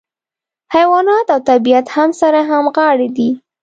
حیوانات او طبیعت هم سره همغاړي دي.